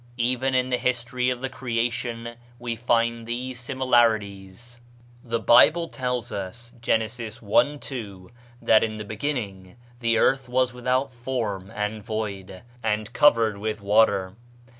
Even in the history of the Creation we find these similarities: The Bible tells us (Gen. i., 2) that in the beginning the earth was without form and void, and covered with water.